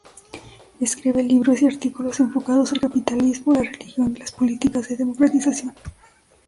Escribe libros y artículos enfocados al capitalismo, la religión y las políticas de democratización.